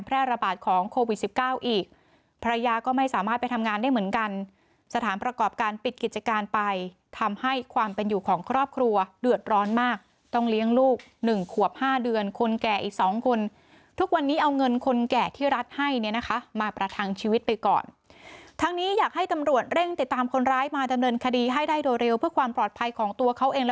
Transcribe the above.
ระบาดของโควิดสิบเก้าอีกภรรยาก็ไม่สามารถไปทำงานได้เหมือนกันสถานประกอบการปิดกิจการไปทำให้ความเป็นอยู่ของครอบครัวเดือดร้อนมากต้องเลี้ยงลูกหนึ่งขวบห้าเดือนคนแก่อีกสองคนทุกวันนี้เอาเงินคนแก่ที่รัฐให้เนี่ยนะคะมาประทังชีวิตไปก่อนทั้งนี้อยากให้ตำรวจเร่งติดตามคนร้ายมาดำเนินคดีให้ได้โดยเร็วเพื่อความปลอดภัยของตัวเขาเอง